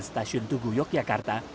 stasiun tugu yogyakarta